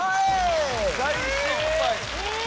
大失敗。